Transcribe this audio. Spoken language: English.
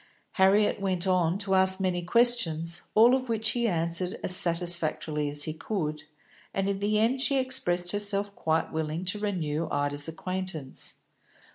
Harriet went on to ask many questions, all of which he answered as satisfactorily as he could, and in the end she expressed herself quite willing to renew Ida's acquaintance.